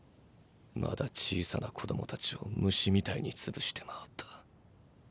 まだ小さな子供たちを虫みたいに潰して回った。